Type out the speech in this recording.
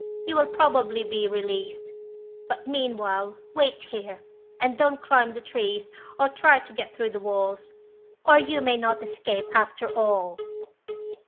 You will probably be released; but, meanwhile, wait here, and don't climb the trees, or try to get through the walls, or you may not escape after all."